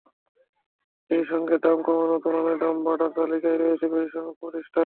সেই সঙ্গে দাম কমার তুলনায় দাম বাড়ার তালিকায় রয়েছে বেশি সংখ্যক প্রতিষ্ঠান।